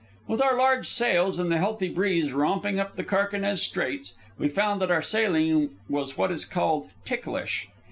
With our large sails and the healthy breeze romping up the Carquinez Straits, we found that our sailing was what is called "ticklish."